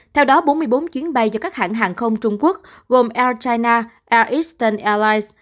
theo đó bốn mươi bốn chuyến bay do các hãng hàng không trung quốc gồm air china air eastern airlines